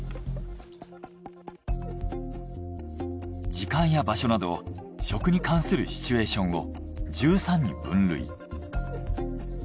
時間や場所など食に関するシチュエーションを１３に分類。